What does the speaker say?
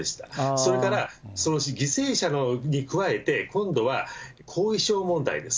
それから犠牲者に加えて今度は後遺症問題です。